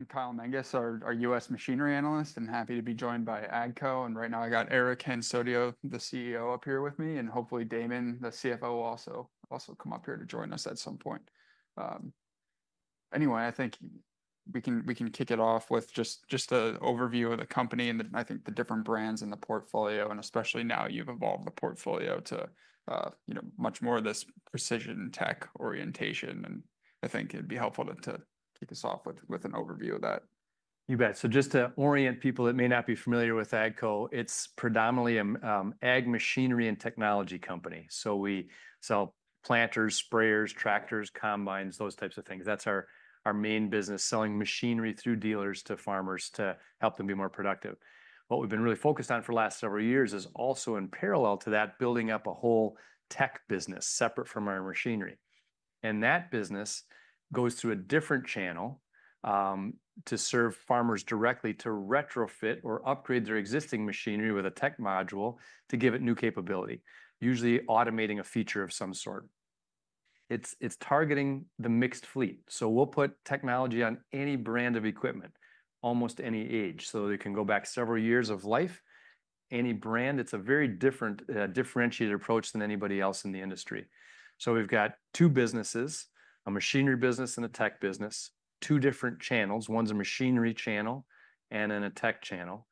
I'm Kyle Menges, our U.S. Machinery Analyst, and happy to be joined by AGCO. Right now, I got Eric Hansotia, the CEO, up here with me, and hopefully Damon, the CFO, will also come up here to join us at some point. Anyway, I think we can kick it off with just an overview of the company and I think the different brands in the portfolio, and especially now you've evolved the portfolio to you know much more of this precision tech orientation. I think it'd be helpful to kick us off with an overview of that. You bet. So just to orient people that may not be familiar with AGCO, it's predominantly ag machinery and technology company. So we sell planters, sprayers, tractors, combines, those types of things. That's our main business: selling machinery through dealers to farmers to help them be more productive. What we've been really focused on for the last several years is also, in parallel to that, building up a whole tech business separate from our machinery. And that business goes through a different channel to serve farmers directly to retrofit or upgrade their existing machinery with a tech module to give it new capability, usually automating a feature of some sort. It's targeting the mixed fleet, so we'll put technology on any brand of equipment, almost any age. So they can go back several years of life, any brand. It's a very different, differentiated approach than anybody else in the industry. So we've got two businesses: a machinery business and a tech business. Two different channels, one's a machinery channel and then a tech channel.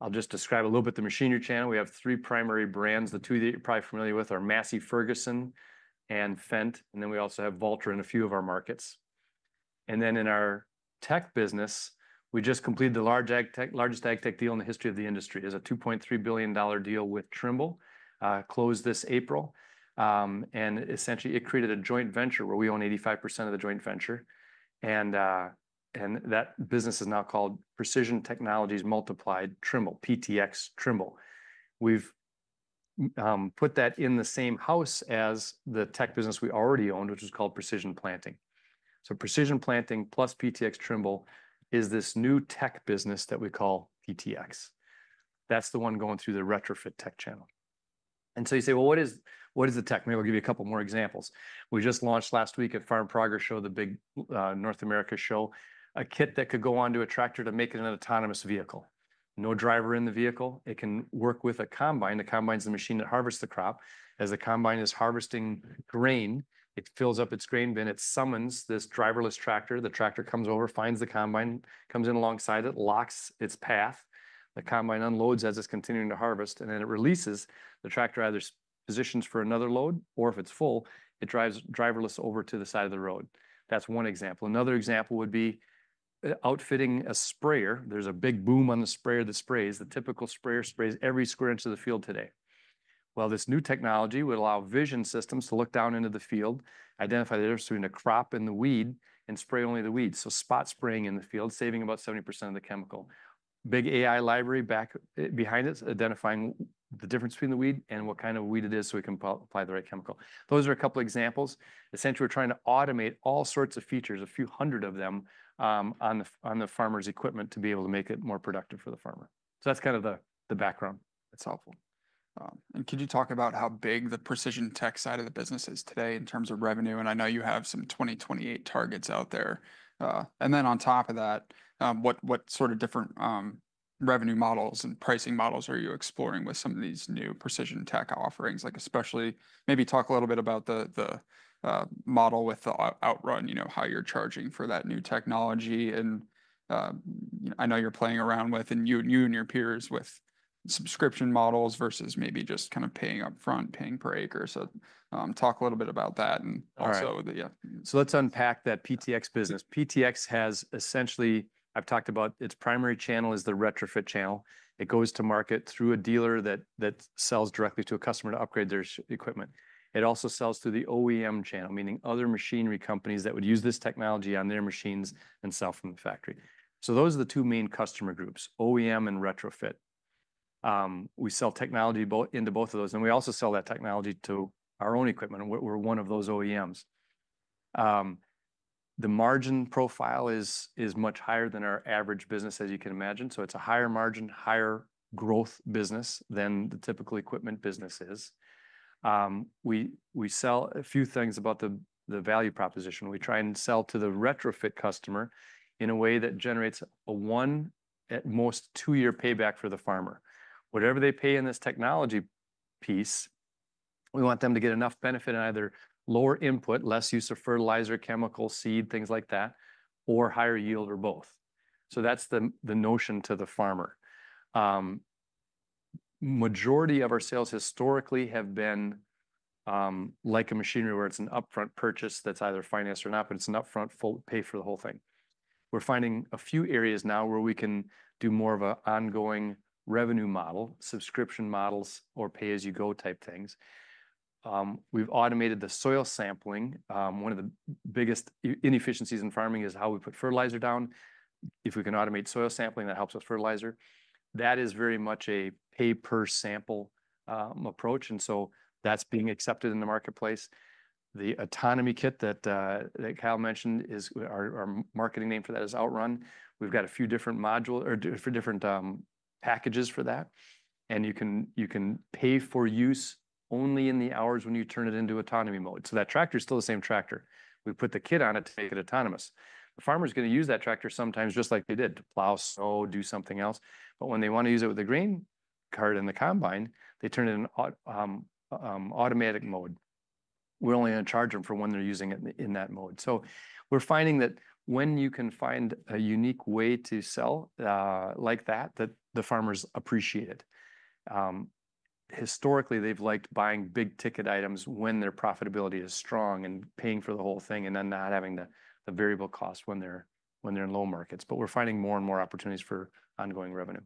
I'll just describe a little bit the machinery channel. We have three primary brands. The two that you're probably familiar with are Massey Ferguson and Fendt, and then we also have Valtra in a few of our markets. And then in our tech business, we just completed the large ag tech- largest ag tech deal in the history of the industry. It was a $2.3 billion deal with Trimble, closed this April. And essentially, it created a joint venture where we own 85% of the joint venture, and that business is now called Precision Technologies Multiplied Trimble, PTx Trimble. We've put that in the same house as the tech business we already owned, which is called Precision Planting. So Precision Planting plus PTx Trimble is this new tech business that we call PTx. That's the one going through the retrofit tech channel, and so you say, "Well, what is the tech?" Maybe I'll give you a couple more examples. We just launched last week at Farm Progress Show, the big North America show, a kit that could go onto a tractor to make it an autonomous vehicle. No driver in the vehicle. It can work with a combine. The combine's the machine that harvests the crop. As the combine is harvesting grain, it fills up its grain bin, it summons this driverless tractor. The tractor comes over, finds the combine, comes in alongside it, locks its path. The combine unloads as it's continuing to harvest, and then it releases. The tractor either positions for another load, or if it's full, it drives driverless over to the side of the road. That's one example. Another example would be outfitting a sprayer. There's a big boom on the sprayer that sprays. The typical sprayer sprays every square inch of the field today. Well, this new technology would allow vision systems to look down into the field, identify the difference between the crop and the weed, and spray only the weed, so spot spraying in the field, saving about 70% of the chemical. Big AI library back behind it, identifying the difference between the weed and what kind of weed it is, so we can apply the right chemical. Those are a couple examples. Essentially, we're trying to automate all sorts of features, a few hundred of them, on the farmer's equipment, to be able to make it more productive for the farmer. So that's kind of the background. That's helpful, and could you talk about how big the precision tech side of the business is today in terms of revenue? And I know you have some 2028 targets out there, and then on top of that, what sort of different revenue models and pricing models are you exploring with some of these new precision tech offerings? Like, especially, maybe talk a little bit about the model with the Outrun, you know, how you're charging for that new technology. And I know you're playing around with, and you and your peers with subscription models versus maybe just kind of paying upfront, paying per acre, talk a little bit about that, and- All right... also the, yeah. Let's unpack that PTx business. Yeah. PTx has essentially... I've talked about its primary channel is the retrofit channel. It goes to market through a dealer that sells directly to a customer to upgrade their equipment. It also sells through the OEM channel, meaning other machinery companies that would use this technology on their machines and sell from the factory. So those are the two main customer groups, OEM and retrofit. We sell technology into both of those, and we also sell that technology to our own equipment, and we're one of those OEMs. The margin profile is much higher than our average business, as you can imagine, so it's a higher margin, higher growth business than the typical equipment business is. We sell... A few things about the value proposition. We try and sell to the retrofit customer in a way that generates a one, at most two-year payback for the farmer. Whatever they pay in this technology piece, we want them to get enough benefit in either lower input, less use of fertilizer, chemical, seed, things like that, or higher yield, or both. So that's the notion to the farmer. Majority of our sales historically have been like a machinery, where it's an upfront purchase that's either financed or not, but it's an upfront, full pay for the whole thing. We're finding a few areas now where we can do more of a ongoing revenue model, subscription models or pay-as-you-go type things. We've automated the soil sampling. One of the biggest inefficiencies in farming is how we put fertilizer down. If we can automate soil sampling, that helps with fertilizer. That is very much a pay-per-sample approach, and so that's being accepted in the marketplace. The autonomy kit that Kyle mentioned, our marketing name for that is Outrun. We've got a few different packages for that, and you can pay for use only in the hours when you turn it into autonomy mode. So that tractor's still the same tractor. We put the kit on it to make it autonomous. The farmer's gonna use that tractor sometimes just like they did, to plow, sow, do something else. But when they want to use it with the grain cart behind the combine, they turn it into autonomous mode. We're only gonna charge them for when they're using it in that mode. So we're finding that when you can find a unique way to sell, like that, that the farmers appreciate it. Historically, they've liked buying big-ticket items when their profitability is strong, and paying for the whole thing, and then not having the variable cost when they're in low markets. But we're finding more and more opportunities for ongoing revenue.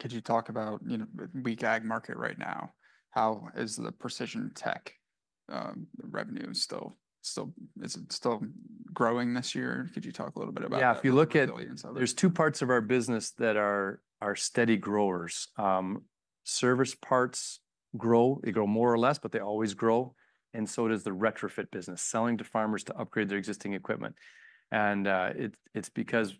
Could you talk about, you know, with weak ag market right now, how is the precision tech revenue still, is it still growing this year? Could you talk a little bit about- Yeah the resilience of it? There's two parts of our business that are steady growers. Service parts grow. They grow more or less, but they always grow, and so does the retrofit business, selling to farmers to upgrade their existing equipment. And it, it's because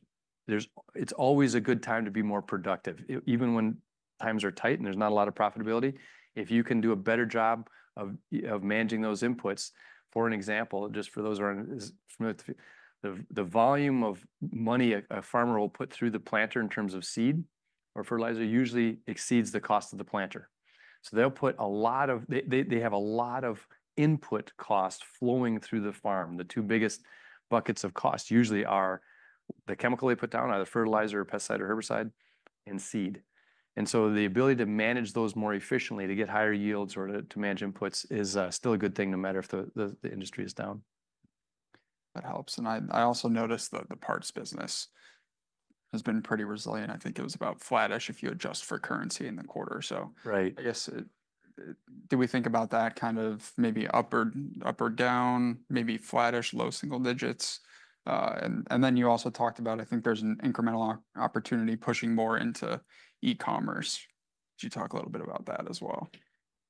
it's always a good time to be more productive. Even when times are tight, and there's not a lot of profitability, if you can do a better job of of managing those inputs. For an example, just for those who aren't as familiar, the volume of money a farmer will put through the planter in terms of seed or fertilizer usually exceeds the cost of the planter. So they'll put a lot of they have a lot of input costs flowing through the farm. The two biggest buckets of cost usually are the chemical they put down, either fertilizer or pesticide or herbicide, and seed. And so the ability to manage those more efficiently, to get higher yields or to manage inputs, is still a good thing, no matter if the industry is down. That helps. And I also noticed that the parts business has been pretty resilient. I think it was about flattish if you adjust for currency in the quarter, so- Right... I guess, do we think about that kind of maybe up or down, maybe flattish, low single digits, and then you also talked about, I think there's an incremental opportunity pushing more into e-commerce. Could you talk a little bit about that as well?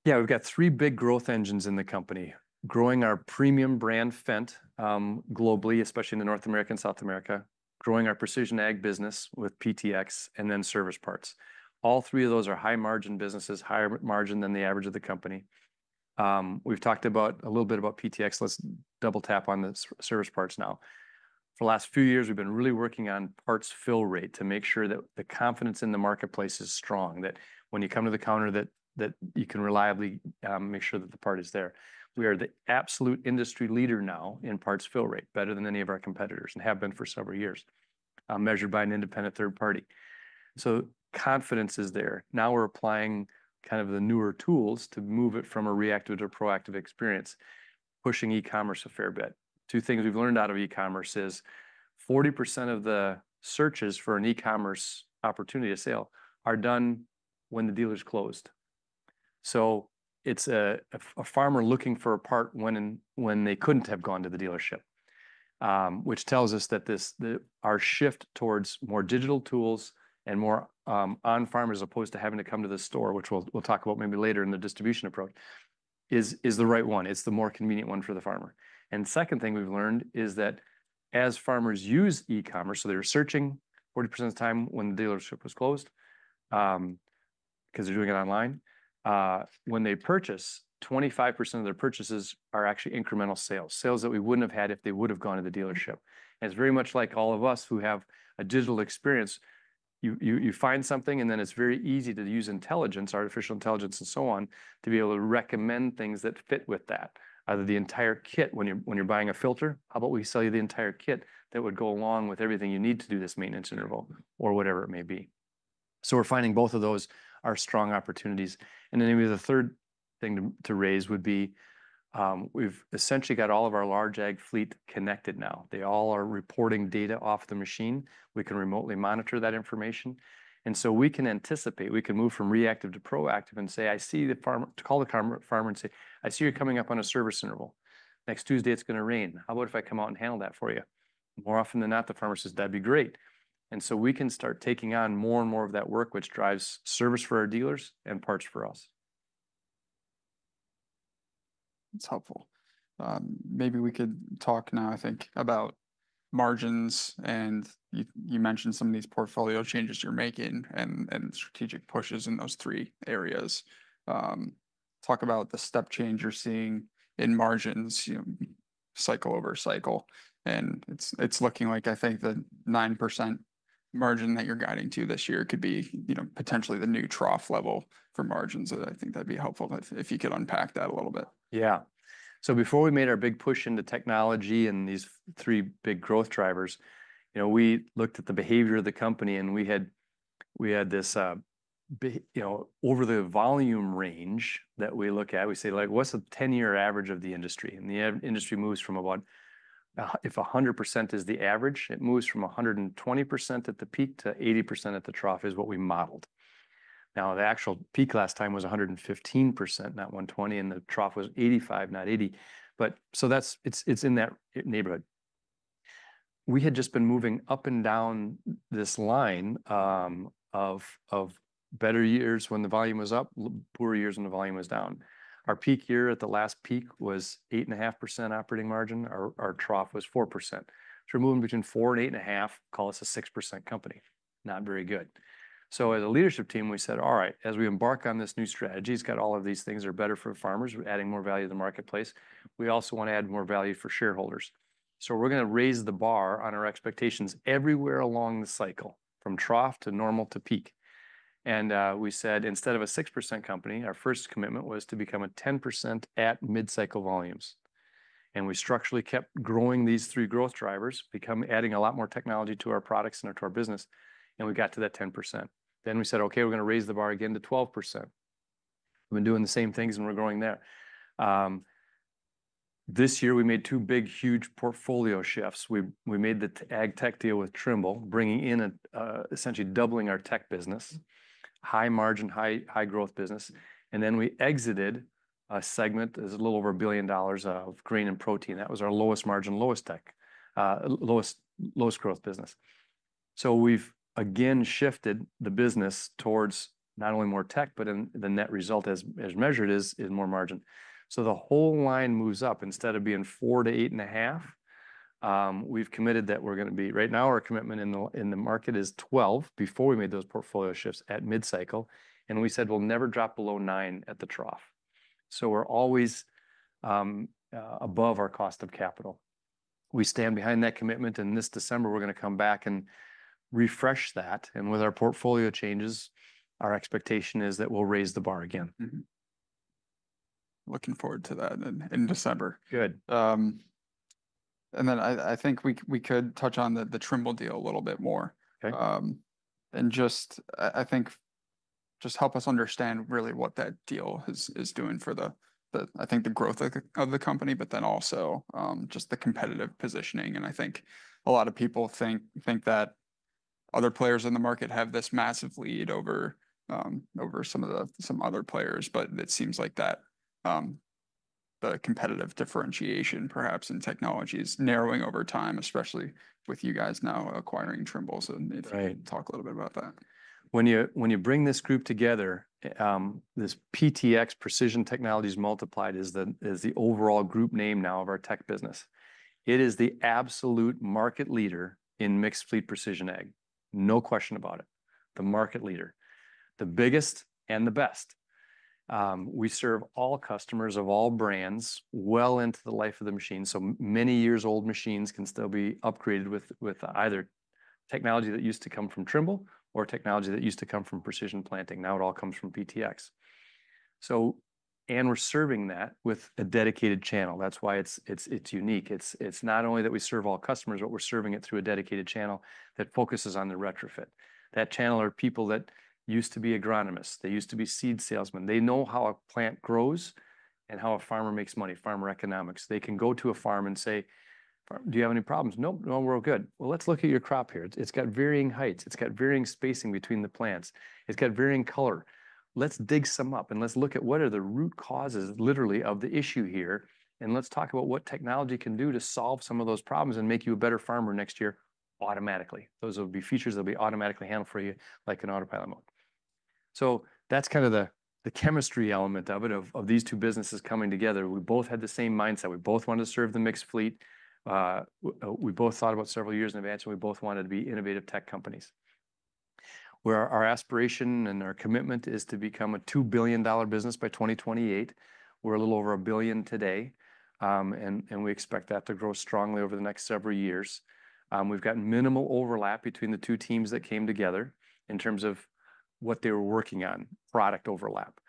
Yeah, we've got three big growth engines in the company: growing our premium brand, Fendt, globally, especially in North America and South America, growing our precision ag business with PTx, and then service parts. All three of those are high-margin businesses, higher margin than the average of the company. We've talked about a little bit about PTx. Let's double tap on the service parts now. For the last few years, we've been really working on parts fill rate to make sure that the confidence in the marketplace is strong, that when you come to the counter, that you can reliably make sure that the part is there. We are the absolute industry leader now in parts fill rate, better than any of our competitors, and have been for several years, measured by an independent third party. So confidence is there. Now, we're applying kind of the newer tools to move it from a reactive to a proactive experience, pushing e-commerce a fair bit. Two things we've learned out of e-commerce is, 40% of the searches for an e-commerce opportunity, a sale, are done when the dealer's closed. So it's a farmer looking for a part when they couldn't have gone to the dealership, which tells us that this our shift towards more digital tools and more on farmers, as opposed to having to come to the store, which we'll talk about maybe later in the distribution approach, is the right one. It's the more convenient one for the farmer. And second thing we've learned is that as farmers use e-commerce, so they're searching 40% of the time when the dealership is closed, 'cause they're doing it online. When they purchase, 25% of their purchases are actually incremental sales, sales that we wouldn't have had if they would've gone to the dealership. And it's very much like all of us who have a digital experience. You find something, and then it's very easy to use intelligence, artificial intelligence and so on, to be able to recommend things that fit with that. Either the entire kit when you're buying a filter, "How about we sell you the entire kit that would go along with everything you need to do this maintenance interval?" Or whatever it may be. So we're finding both of those are strong opportunities. And then maybe the third thing to raise would be, we've essentially got all of our large ag fleet connected now. They all are reporting data off the machine. We can remotely monitor that information, and so we can anticipate. We can move from reactive to proactive and say, "I see the farmer..." to call the farmer and say, "I see you're coming up on a service interval. Next Tuesday, it's gonna rain. How about if I come out and handle that for you?" More often than not, the farmer says, "That'd be great," and so we can start taking on more and more of that work, which drives service for our dealers and parts for us. That's helpful. Maybe we could talk now, I think, about margins, and you mentioned some of these portfolio changes you're making and strategic pushes in those three areas. Talk about the step change you're seeing in margins, cycle over cycle. It's looking like, I think, the 9% margin that you're guiding to this year could be, you know, potentially the new trough level for margins. I think that'd be helpful if you could unpack that a little bit. Yeah. So before we made our big push into technology and these three big growth drivers, you know, we looked at the behavior of the company, and we had, we had this, you know, over the volume range that we look at, we say, like, "What's the 10-year average of the industry?" And the industry moves from about, if 100% is the average, it moves from 120% at the peak to 80% at the trough, is what we modeled. Now, the actual peak last time was 115%, not 120, and the trough was 85, not 80, but so that's it, it's in that neighborhood. We had just been moving up and down this line of better years when the volume was up, poorer years when the volume was down. Our peak year at the last peak was 8.5% operating margin. Our trough was 4%. So we're moving between 4% and 8.5%. Call us a 6% company... not very good. So as a leadership team, we said, "All right, as we embark on this new strategy, it's got all of these things that are better for farmers. We're adding more value to the marketplace. We also wanna add more value for shareholders. So we're gonna raise the bar on our expectations everywhere along the cycle, from trough to normal to peak." And we said, "Instead of a 6% company, our first commitment was to become a 10% at mid-cycle volumes." And we structurally kept growing these three growth drivers, adding a lot more technology to our products and to our business, and we got to that 10%. Then we said, "Okay, we're gonna raise the bar again to 12%." We've been doing the same things, and we're growing there. This year we made two big, huge portfolio shifts. We made the ag tech deal with Trimble, bringing in a, essentially doubling our tech business high margin, high growth business, and then we exited a segment that's a little over $1 billion of grain and protein. That was our lowest margin, lowest tech, lowest growth business. So we've again shifted the business towards not only more tech, but in the net result as measured is, in more margin. So the whole line moves up. Instead of being 4-8.5%, we've committed that we're gonna be. Right now, our commitment in the market is 12%, before we made those portfolio shifts at mid-cycle, and we said we'll never drop below 9% at the trough. So we're always above our cost of capital. We stand behind that commitment, and this December, we're gonna come back and refresh that. With our portfolio changes, our expectation is that we'll raise the bar again. Mm-hmm. Looking forward to that in December. Good. And then I think we could touch on the Trimble deal a little bit more. Okay. Just, I think, just help us understand really what that deal is doing for the growth of the company, but then also just the competitive positioning. And I think a lot of people think that other players in the market have this massive lead over some other players. But it seems like that the competitive differentiation, perhaps in technology, is narrowing over time, especially with you guys now acquiring Trimble. Right. So, if you could talk a little bit about that? When you, when you bring this group together, this PTx, Precision Technologies Multiplied, is the overall group name now of our tech business. It is the absolute market leader in mixed fleet precision ag, no question about it, the market leader, the biggest and the best. We serve all customers of all brands well into the life of the machine, so many years old machines can still be upgraded with either technology that used to come from Trimble or technology that used to come from Precision Planting. Now it all comes from PTx. So, and we're serving that with a dedicated channel. That's why it's unique. It's not only that we serve all customers, but we're serving it through a dedicated channel that focuses on the retrofit. That channel are people that used to be agronomists. They used to be seed salesmen. They know how a plant grows and how a farmer makes money, farmer economics. They can go to a farm and say, "Farmer, do you have any problems?" "Nope. No, we're all good." "Well, let's look at your crop here. It's, it's got varying heights. It's got varying spacing between the plants. It's got varying color. Let's dig some up, and let's look at what are the root causes, literally, of the issue here, and let's talk about what technology can do to solve some of those problems and make you a better farmer next year automatically." Those will be features that'll be automatically handled for you, like in autopilot mode. So that's kind of the chemistry element of it, of these two businesses coming together. We both had the same mindset. We both wanted to serve the mixed fleet. We both thought about several years in advance, and we both wanted to be innovative tech companies. Where our aspiration and our commitment is to become a $2 billion business by 2028. We're a little over a billion today, and we expect that to grow strongly over the next several years. We've got minimal overlap between the two teams that came together in terms of what they were working on, product overlap.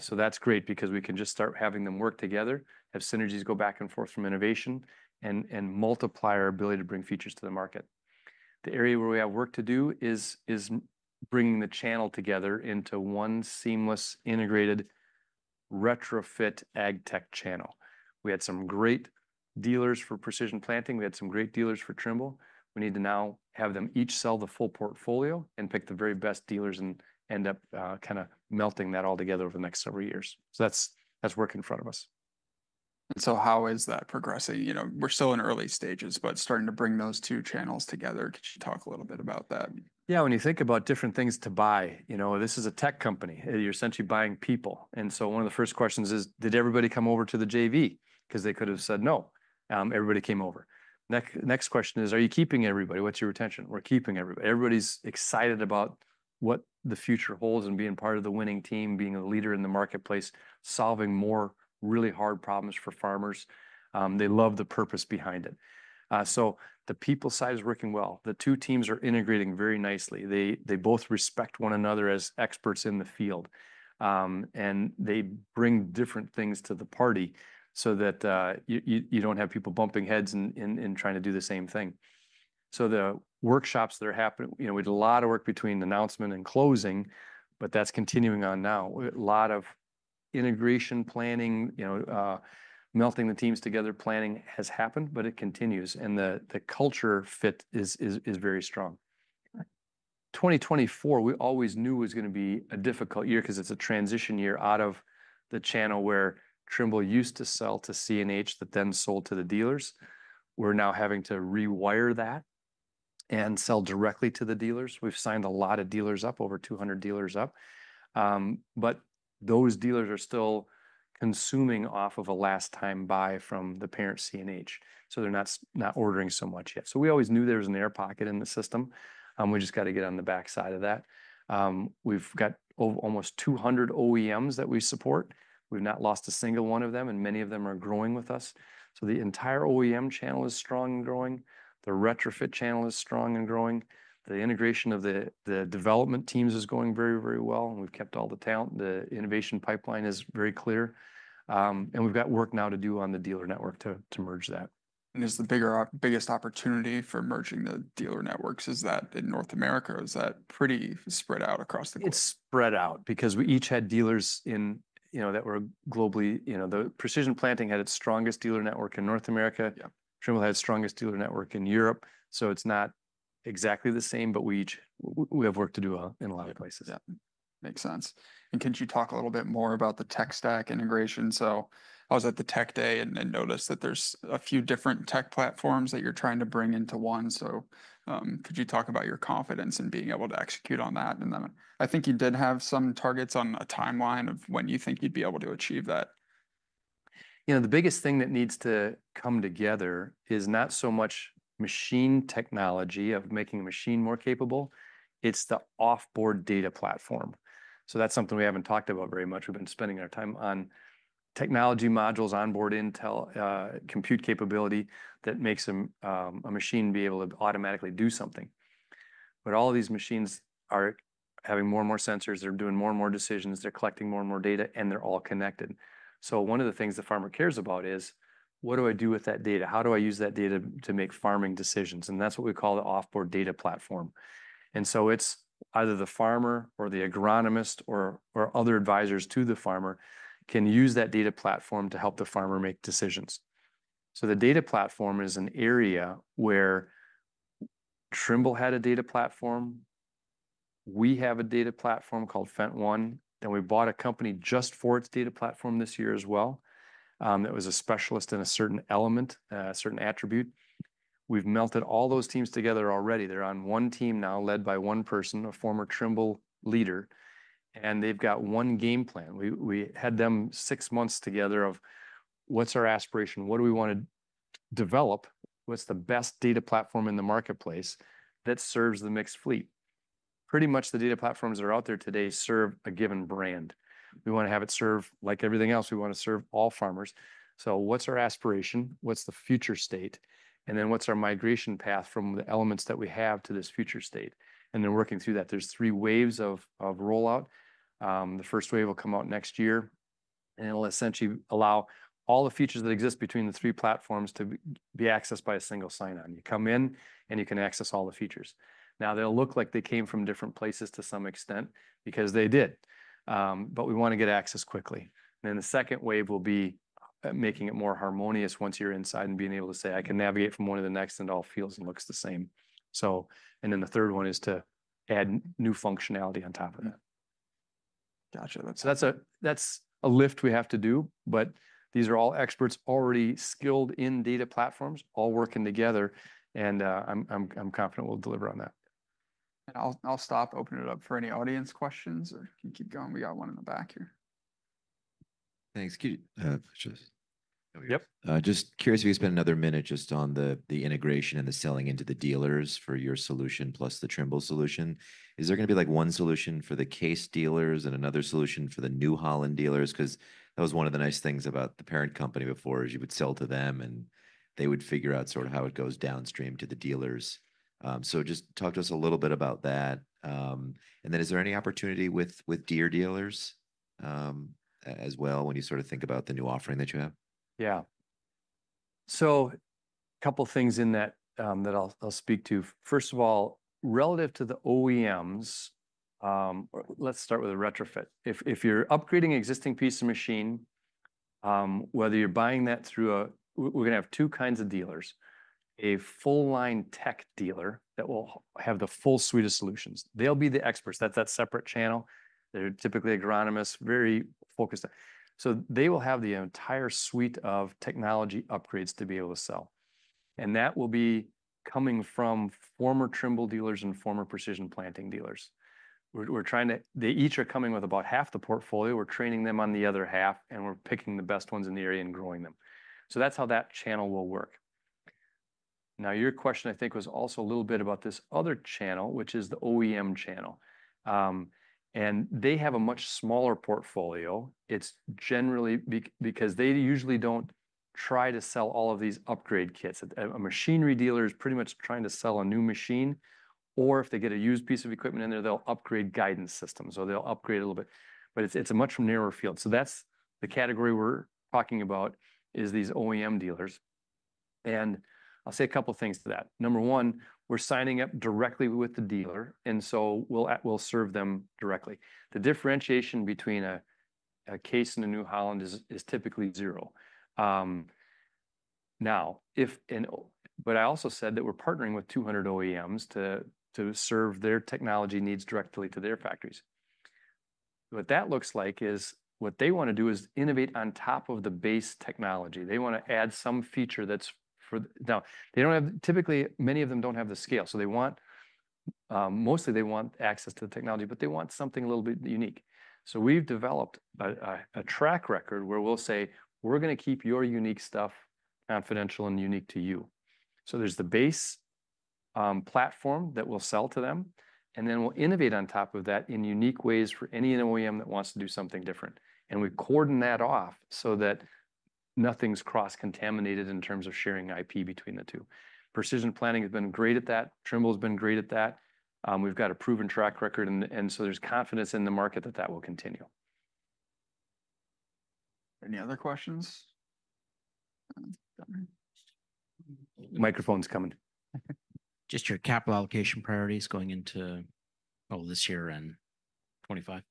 So that's great because we can just start having them work together, have synergies go back and forth from innovation and multiply our ability to bring features to the market. The area where we have work to do is bringing the channel together into one seamless, integrated, retrofit ag tech channel. We had some great dealers for Precision Planting. We had some great dealers for Trimble. We need to now have them each sell the full portfolio and pick the very best dealers and end up kind of melting that all together over the next several years. So that's, that's work in front of us. And so how is that progressing? You know, we're still in early stages, but starting to bring those two channels together. Could you talk a little bit about that? Yeah, when you think about different things to buy, you know, this is a tech company, and you're essentially buying people. And so one of the first questions is, did everybody come over to the JV? 'Cause they could have said no. Everybody came over. Next question is, are you keeping everybody? What's your retention? We're keeping everybody. Everybody's excited about what the future holds and being part of the winning team, being a leader in the marketplace, solving more really hard problems for farmers. They love the purpose behind it. So the people side is working well. The two teams are integrating very nicely. They both respect one another as experts in the field, and they bring different things to the party so that you don't have people bumping heads in trying to do the same thing. So the workshops that are happening. You know, we did a lot of work between the announcement and closing, but that's continuing on now. A lot of integration planning, you know, melting the teams together, planning has happened, but it continues, and the culture fit is very strong. 2024, we always knew was gonna be a difficult year 'cause it's a transition year out of the channel where Trimble used to sell to CNH that then sold to the dealers. We're now having to rewire that and sell directly to the dealers. We've signed a lot of dealers up, over 200 dealers up. But those dealers are still consuming off of a last-time buy from the parent CNH, so they're not ordering so much yet. So we always knew there was an air pocket in the system. We've just gotta get on the backside of that. We've got almost 200 OEMs that we support. We've not lost a single one of them, and many of them are growing with us. So the entire OEM channel is strong and growing. The retrofit channel is strong and growing. The integration of the development teams is going very, very well, and we've kept all the talent. The innovation pipeline is very clear. And we've got work now to do on the dealer network to merge that. Is the biggest opportunity for merging the dealer networks in North America, or is that pretty spread out across the globe? It's spread out because we each had dealers in, you know, that were globally... You know, the Precision Planting had its strongest dealer network in North America. Yeah. Trimble had the strongest dealer network in Europe, so it's not exactly the same, but we each have work to do in a lot of places. Yeah. Makes sense. And could you talk a little bit more about the tech stack integration? So I was at the Tech Day and noticed that there's a few different tech platforms that you're trying to bring into one. So, could you talk about your confidence in being able to execute on that? And then I think you did have some targets on a timeline of when you think you'd be able to achieve that. You know, the biggest thing that needs to come together is not so much machine technology, of making a machine more capable. It's the offboard data platform. So that's something we haven't talked about very much. We've been spending our time on technology modules, onboard intel, compute capability that makes a machine be able to automatically do something. But all of these machines are having more and more sensors, they're doing more and more decisions, they're collecting more and more data, and they're all connected. So one of the things the farmer cares about is: What do I do with that data? How do I use that data to make farming decisions? And that's what we call the offboard data platform. And so it's either the farmer or the agronomist or other advisors to the farmer can use that data platform to help the farmer make decisions. So the data platform is an area where Trimble had a data platform. We have a data platform called FendtONE, and we bought a company just for its data platform this year as well. It was a specialist in a certain element, a certain attribute. We've melted all those teams together already. They're on one team now, led by one person, a former Trimble leader, and they've got one game plan. We had them six months together of: What's our aspiration? What do we wanna develop? What's the best data platform in the marketplace that serves the mixed fleet? Pretty much the data platforms that are out there today serve a given brand. We wanna have it serve... Like everything else, we wanna serve all farmers. So what's our aspiration? What's the future state? And then, what's our migration path from the elements that we have to this future state? And they're working through that. There's three waves of rollout. The first wave will come out next year, and it'll essentially allow all the features that exist between the three platforms to be accessed by a single sign-on. You come in, and you can access all the features. Now, they'll look like they came from different places to some extent, because they did, but we wanna get access quickly. And then the second wave will be making it more harmonious once you're inside and being able to say, "I can navigate from one to the next, and it all feels and looks the same." So, and then the third one is to add new functionality on top of that. Gotcha. That's a lift we have to do, but these are all experts already skilled in data platforms, all working together, and I'm confident we'll deliver on that. And I'll stop, open it up for any audience questions, or you can keep going. We got one in the back here. Thanks. Can you just- Yep. Just curious if you could spend another minute just on the integration and the selling into the dealers for your solution, plus the Trimble solution. Is there gonna be, like, one solution for the Case dealers and another solution for the New Holland dealers? 'Cause that was one of the nice things about the parent company before, is you would sell to them, and they would figure out sort of how it goes downstream to the dealers. So just talk to us a little bit about that. And then is there any opportunity with, with Deere dealers, as well, when you sort of think about the new offering that you have? Yeah. So, couple things in that that I'll speak to. First of all, relative to the OEMs, or let's start with the retrofit. If you're upgrading an existing piece of machine, whether you're buying that through a... We're gonna have two kinds of dealers: a full-line tech dealer that will have the full suite of solutions. They'll be the experts. That's that separate channel. They're typically agronomists, very focused. So they will have the entire suite of technology upgrades to be able to sell, and that will be coming from former Trimble dealers and former Precision Planting dealers. They each are coming with about half the portfolio. We're training them on the other half, and we're picking the best ones in the area and growing them. So that's how that channel will work. Now, your question, I think, was also a little bit about this other channel, which is the OEM channel. And they have a much smaller portfolio. It's generally because they usually don't try to sell all of these upgrade kits. A machinery dealer is pretty much trying to sell a new machine, or if they get a used piece of equipment in there, they'll upgrade guidance systems or they'll upgrade it a little bit, but it's a much narrower field. So that's the category we're talking about, is these OEM dealers, and I'll say a couple things to that. Number one, we're signing up directly with the dealer, and so we'll serve them directly. The differentiation between a Case and a New Holland is typically zero. Now, if... I also said that we're partnering with 200 OEMs to serve their technology needs directly to their factories. What that looks like is what they wanna do is innovate on top of the base technology. They wanna add some feature that's. Typically, many of them don't have the scale, so they mostly want access to the technology, but they want something a little bit unique. So we've developed a track record where we'll say, "We're gonna keep your unique stuff confidential and unique to you." So there's the base platform that we'll sell to them, and then we'll innovate on top of that in unique ways for any OEM that wants to do something different. We cordon that off so that nothing's cross-contaminated in terms of sharing IP between the two. Precision Planting has been great at that. Trimble's been great at that. We've got a proven track record, and so there's confidence in the market that that will continue. Any other questions? Microphone's coming. Just your capital allocation priorities going into, well, this year and 2025.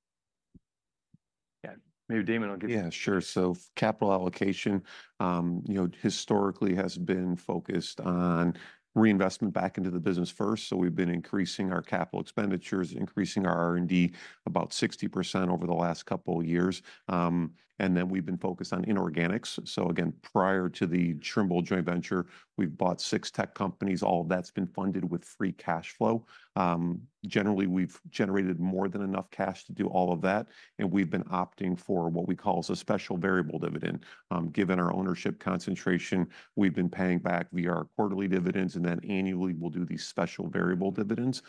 Yeah. Maybe Damon will get- Yeah, sure. So capital allocation, you know, historically has been focused on reinvestment back into the business first. So we've been increasing our capital expenditures, increasing our R&D about 60% over the last couple of years. And then we've been focused on inorganics. So again, prior to the Trimble joint venture, we've bought six tech companies. All of that's been funded with free cash flow. Generally, we've generated more than enough cash to do all of that, and we've been opting for what we call as a special variable dividend. Given our ownership concentration, we've been paying back via our quarterly dividends, and then annually, we'll do these special variable dividends.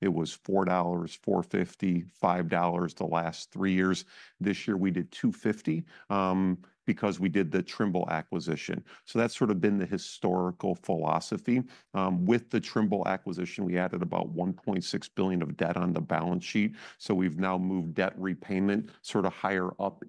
It was $4, $4.50, $5 the last three years. This year we did $2.50, because we did the Trimble acquisition. So that's sort of been the historical philosophy. With the Trimble acquisition, we added about $1.6 billion of debt on the balance sheet, so we've now moved debt repayment sort of higher up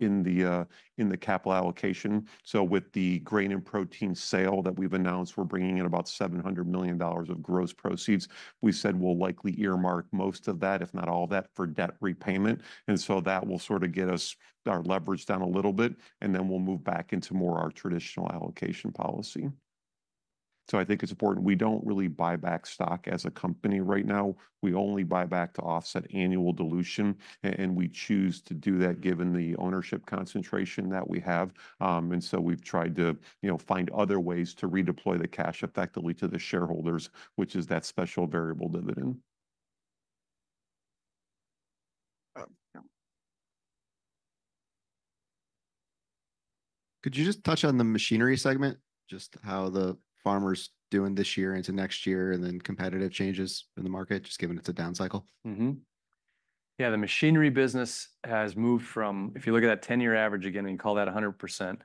in the capital allocation, so with the grain and protein sale that we've announced, we're bringing in about $700 million of gross proceeds. We said we'll likely earmark most of that, if not all of that, for debt repayment, and so that will sort of get us our leverage down a little bit, and then we'll move back into more our traditional allocation policy, so I think it's important. We don't really buy back stock as a company right now. We only buy back to offset annual dilution, and we choose to do that, given the ownership concentration that we have. And so we've tried to, you know, find other ways to redeploy the cash effectively to the shareholders, which is that special variable dividend. Could you just touch on the machinery segment? Just how the farmer's doing this year into next year, and then competitive changes in the market, just given it's a down cycle. Mm-hmm. Yeah, the machinery business has moved from... If you look at that ten-year average again and call that 100%,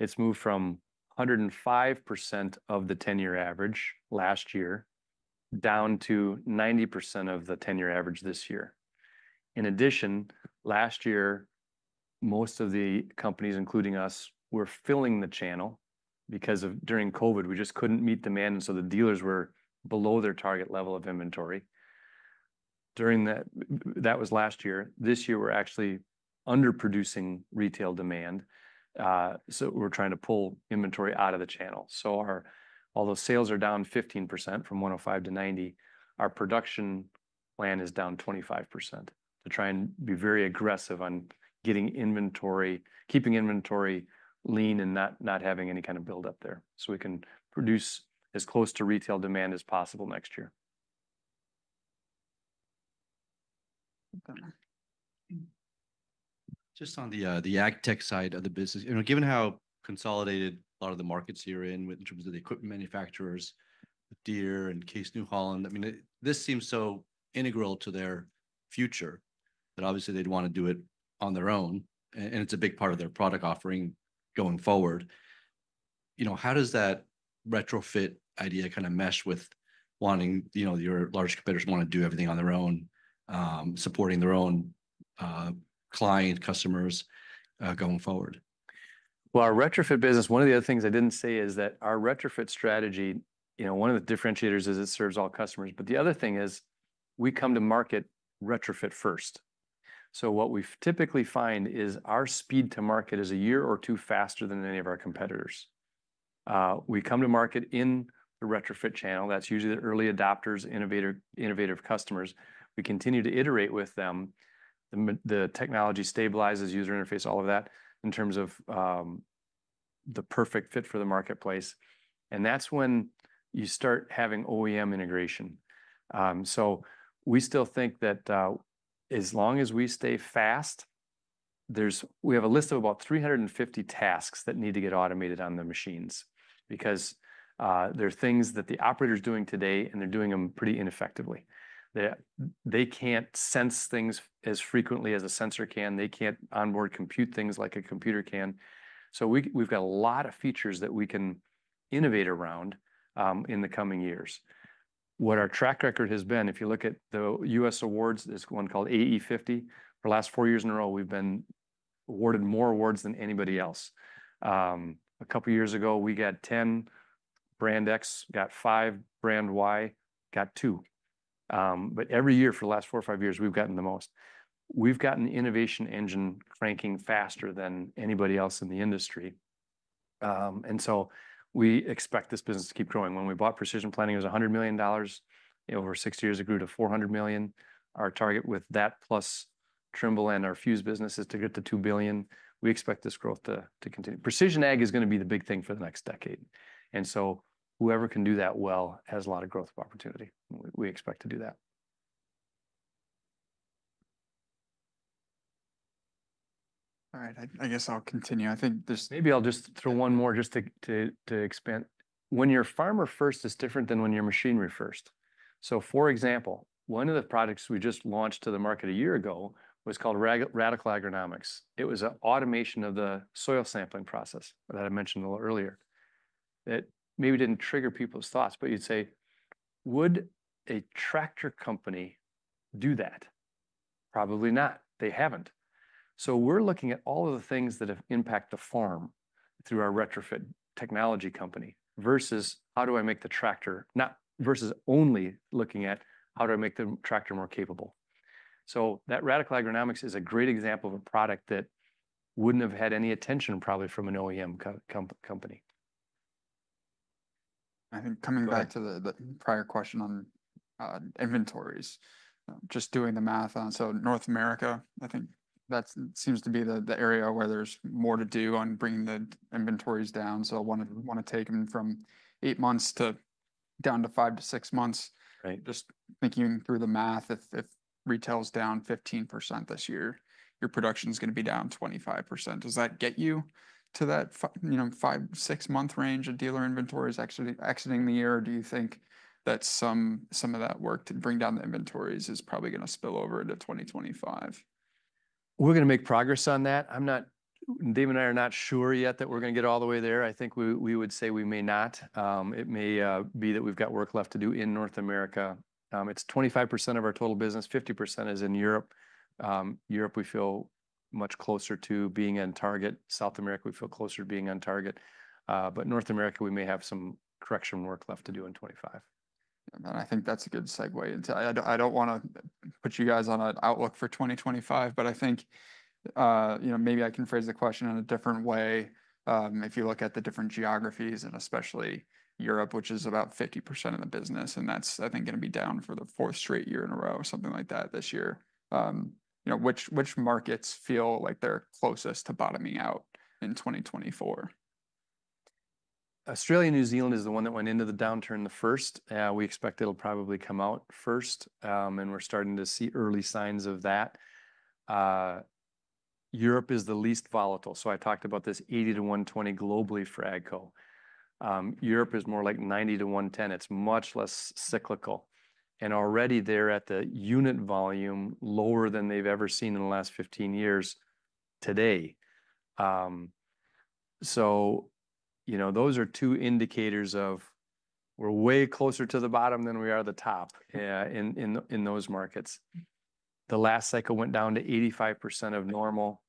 it's moved from 105% of the ten-year average last year, down to 90% of the ten-year average this year. In addition, last year, most of the companies, including us, were filling the channel because of during COVID, we just couldn't meet demand, and so the dealers were below their target level of inventory. That was last year. This year, we're actually underproducing retail demand. So we're trying to pull inventory out of the channel. So although sales are down 15% from 105% to 90%, our production plan is down 25%, to try and be very aggressive on getting inventory keeping inventory lean and not having any kind of build-up there, so we can produce as close to retail demand as possible next year. Just on the, the ag tech side of the business, you know, given how consolidated a lot of the markets you're in, in terms of the equipment manufacturers, Deere and Case New Holland, I mean, this seems so integral to their future, that obviously they'd want to do it on their own, and it's a big part of their product offering going forward. You know, how does that retrofit idea kind of mesh with wanting... You know, your large competitors want to do everything on their own, supporting their own client, customers going forward? Our retrofit business, one of the other things I didn't say is that our retrofit strategy, you know, one of the differentiators is it serves all customers. But the other thing is, we come to market retrofit first. So what we typically find is our speed to market is a year or two faster than any of our competitors. We come to market in the retrofit channel. That's usually the early adopters, innovator, innovative customers. We continue to iterate with them. The technology stabilizes, user interface, all of that, in terms of, the perfect fit for the marketplace, and that's when you start having OEM integration. So we still think that, as long as we stay fast, we have a list of about 350 tasks that need to get automated on the machines. Because there are things that the operator's doing today, and they're doing them pretty ineffectively. They can't sense things as frequently as a sensor can. They can't onboard compute things like a computer can. So we've got a lot of features that we can innovate around in the coming years. What our track record has been, if you look at the US awards, this one called AE50, for the last four years in a row, we've been awarded more awards than anybody else. A couple of years ago, we got 10, brand X got 5, brand Y got 2. But every year for the last four or five years, we've gotten the most. We've got an innovation engine cranking faster than anybody else in the industry. And so we expect this business to keep growing. When we bought Precision Planting, it was $100 million. Over six years, it grew to $400 million. Our target with that, plus Trimble and our Fuse business, is to get to $2 billion. We expect this growth to continue. Precision ag is gonna be the big thing for the next decade, and so whoever can do that well has a lot of growth opportunity. We expect to do that. All right, I guess I'll continue. I think there's- Maybe I'll just throw one more just to expand. When you're farmer first, it's different than when you're machinery first. So, for example, one of the products we just launched to the market a year ago was called Radicle Agronomics. It was an automation of the soil sampling process that I mentioned a little earlier, that maybe didn't trigger people's thoughts. But you'd say, "Would a tractor company do that?" Probably not. They haven't. So we're looking at all of the things that have impact the farm through our retrofit technology company, versus how do I make the tractor... Not versus only looking at, how do I make the tractor more capable? So that Radicle Agronomics is a great example of a product that wouldn't have had any attention, probably, from an OEM company. I think coming back to the prior question on inventories. Just doing the math on it, so North America, I think that seems to be the area where there's more to do on bringing the inventories down. So wanna take them from eight months to down to five to six months. Right. Just thinking through the math, if retail's down 15% this year, your production's gonna be down 25%. Does that get you to that, you know, five, six-month range of dealer inventories exiting the year, or do you think that some of that work to bring down the inventories is probably gonna spill over into 2025? We're gonna make progress on that. I'm not... Damon and I are not sure yet that we're gonna get all the way there. I think we would say we may not. It may be that we've got work left to do in North America. It's 25% of our total business. 50% is in Europe. Europe, we feel much closer to being on target. South America, we feel closer to being on target. But North America, we may have some correction work left to do in 2025. And I think that's a good segue into I don't wanna put you guys on an outlook for 2025, but I think, you know, maybe I can phrase the question in a different way. If you look at the different geographies, and especially Europe, which is about 50% of the business, and that's, I think, gonna be down for the fourth straight year in a row, something like that, this year. You know, which markets feel like they're closest to bottoming out in 2024? Australia/New Zealand is the one that went into the downturn the first. We expect it'll probably come out first, and we're starting to see early signs of that. Europe is the least volatile, so I talked about this 80%-120% globally for AGCO. Europe is more like 90%-110%. It's much less cyclical, and already they're at the unit volume lower than they've ever seen in the last 15 years today. So, you know, those are two indicators of we're way closer to the bottom than we are the top, in those markets. The last cycle went down to 85% of normal.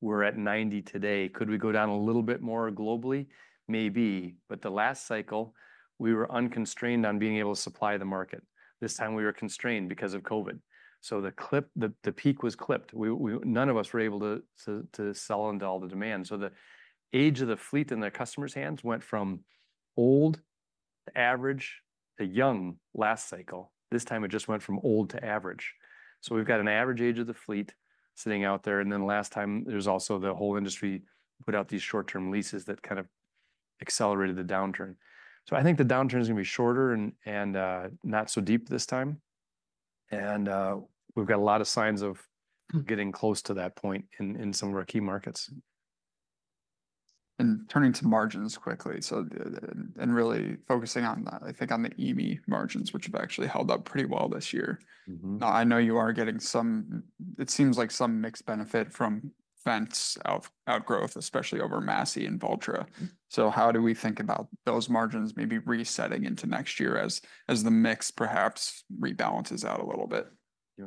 We're at 90% today. Could we go down a little bit more globally? Maybe. But the last cycle, we were unconstrained on being able to supply the market. This time, we were constrained because of COVID, so the peak was clipped. None of us were able to sell into all the demand. So the age of the fleet in the customer's hands went from old to average to young last cycle. This time, it just went from old to average. So we've got an average age of the fleet sitting out there, and then the last time, there was also the whole industry put out these short-term leases that kind of accelerated the downturn. So I think the downturn is gonna be shorter and not so deep this time, and we've got a lot of signs of getting close to that point in some of our key markets. And turning to margins quickly, and really focusing on that, I think on the EME margins, which have actually held up pretty well this year. Mm-hmm. Now, I know you are getting some. It seems like some mixed benefit from Fendt's outgrowth, especially over Massey and Valtra. So how do we think about those margins maybe resetting into next year as the mix perhaps rebalances out a little bit? Yeah.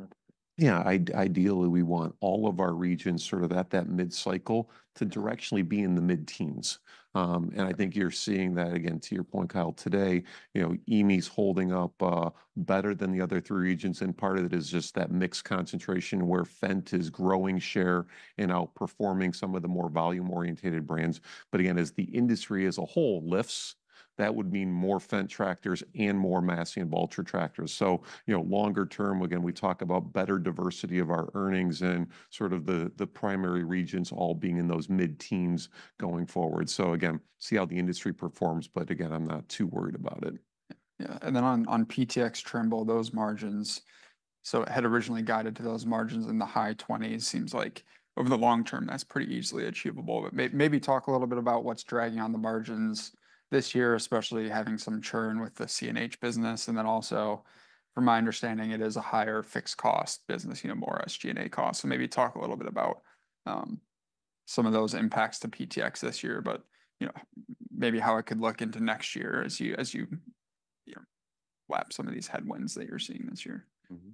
Yeah, ideally, we want all of our regions sort of at that mid-cycle to directionally be in the mid-teens, and I think you're seeing that, again, to your point, Kyle, today, you know, EME's holding up better than the other three regions, and part of it is just that mixed concentration where Fendt is growing share and outperforming some of the more volume-oriented brands. But again, as the industry as a whole lifts, that would mean more Fendt tractors and more Massey and Valtra tractors. So, you know, longer term, again, we talk about better diversity of our earnings and sort of the primary regions all being in those mid-teens going forward. So again, see how the industry performs, but again, I'm not too worried about it. Yeah, and then on PTx Trimble, those margins. So had originally guided to those margins in the high 20s. Seems like over the long term, that's pretty easily achievable. But maybe talk a little bit about what's dragging on the margins this year, especially having some churn with the CNH business. And then also, from my understanding, it is a higher fixed cost business, you know, more SG&A costs. So maybe talk a little bit about some of those impacts to PTx this year, but, you know, maybe how it could look into next year as you, you know, lap some of these headwinds that you're seeing this year? Mm-hmm.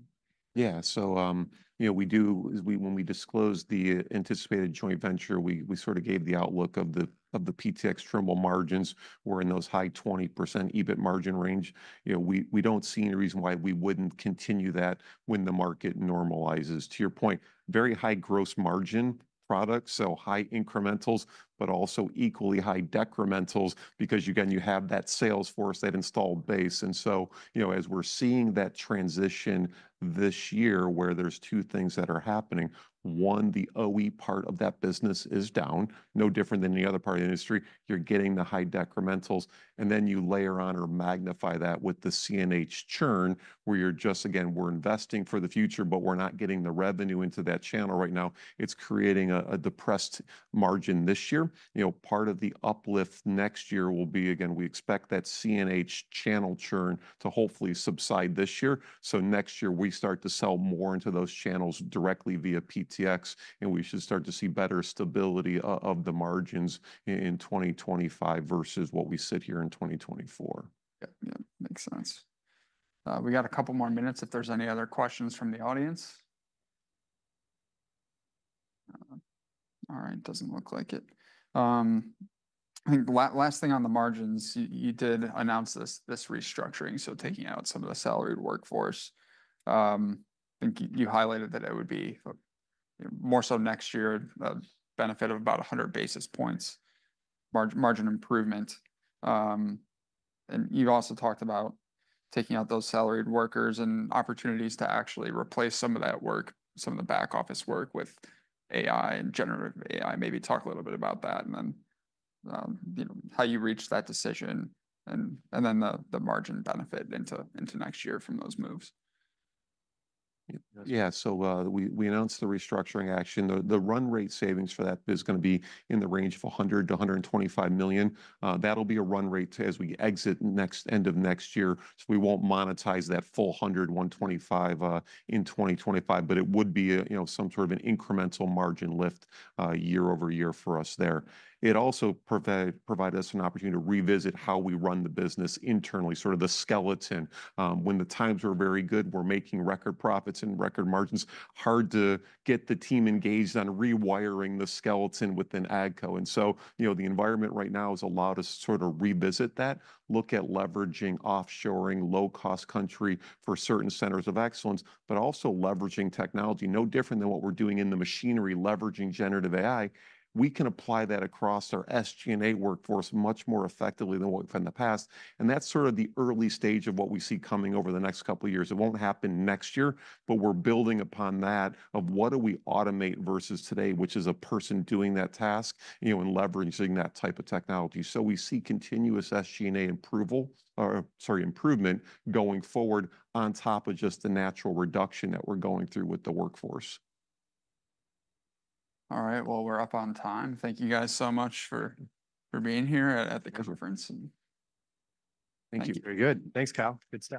Yeah, so, you know, as we, when we disclose the anticipated joint venture, we sort of gave the outlook of the PTx Trimble margins were in those high 20% EBIT margin range. You know, we don't see any reason why we wouldn't continue that when the market normalizes. To your point, very high gross margin products, so high incrementals, but also equally high decrementals, because again, you have that sales force, that installed base. And so, you know, as we're seeing that transition this year, where there's two things that are happening: one, the OE part of that business is down, no different than any other part of the industry. You're getting the high decrementals, and then you layer on or magnify that with the CNH churn, where you're just, again, we're investing for the future, but we're not getting the revenue into that channel right now. It's creating a depressed margin this year. You know, part of the uplift next year will be, again, we expect that CNH channel churn to hopefully subside this year. So next year, we start to sell more into those channels directly via PTx, and we should start to see better stability of the margins in twenty twenty-five versus what we sit here in twenty twenty-four. Yeah. Yeah, makes sense. We got a couple more minutes if there's any other questions from the audience. All right, doesn't look like it. I think last thing on the margins, you did announce this restructuring, so taking out some of the salaried workforce. I think you highlighted that it would be more so next year, a benefit of about 100 basis points, margin improvement. You also talked about taking out those salaried workers and opportunities to actually replace some of that work, some of the back office work with AI and Generative AI. Maybe talk a little bit about that, and then, you know, how you reached that decision, and then the margin benefit into next year from those moves. Yeah, so, we announced the restructuring action. The run rate savings for that is gonna be in the range of $100 million-$125 million. That'll be a run rate as we exit end of next year, so we won't monetize that full $100 million-$125 million in 2025, but it would be, you know, some sort of an incremental margin lift year over year for us there. It also provided us an opportunity to revisit how we run the business internally, sort of the skeleton. When the times were very good, we're making record profits and record margins, hard to get the team engaged on rewiring the skeleton within AGCO. And so, you know, the environment right now has allowed us to sort of revisit that, look at leveraging offshoring, low-cost country for certain centers of excellence, but also leveraging technology. No different than what we're doing in the machinery, leveraging generative AI. We can apply that across our SG&A workforce much more effectively than we have in the past, and that's sort of the early stage of what we see coming over the next couple of years. It won't happen next year, but we're building upon that, of what do we automate versus today, which is a person doing that task, you know, and leveraging that type of technology. So we see continuous SG&A approval, or, sorry, improvement, going forward on top of just the natural reduction that we're going through with the workforce. All right, well, we're up on time. Thank you guys so much for being here at the conference, and... Thank you. Very good. Thanks, Kyle. Good to see you.